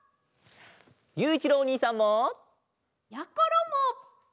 ゆういちろうおにいさんも！やころも！